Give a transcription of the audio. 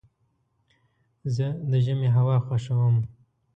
زه د ژمي هوا خوښوم.